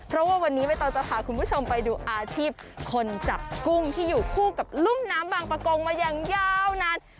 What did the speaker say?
เพราะว่าวันนี้ไม่ต้องจะพาคุณผู้ชมไปดูอาชีพคนจับกุ้งที่อยู่คู่กับรุ่มน้ำบางประกงมาอย่างยาวนาน